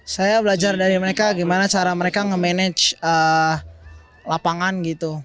saya belajar dari mereka gimana cara mereka nge manage lapangan gitu